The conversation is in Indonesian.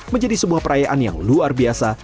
menjadi sebuah perayaan yang luar biasa